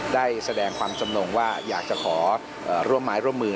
ได้แสดงความจำนงว่าอยากจะขอร่วมไม้ร่วมมือ